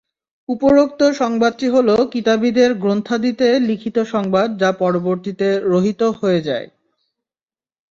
উপরোক্ত সংবাদটি হলো কিতাবীদের গ্রন্থাদিতে লিখিত সংবাদ যা পরবর্তীতে রহিত হয়ে যায়।